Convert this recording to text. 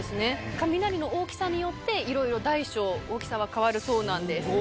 雷の大きさによっていろいろ大小大きさは変わるそうなんです。